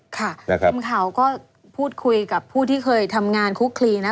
ค่ะทีมข่าวก็พูดคุยกับผู้ที่เคยทำงานคุกคลีนะ